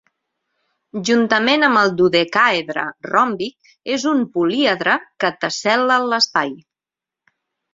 Juntament amb el dodecàedre ròmbic, és un políedre que tessel·la l'espai.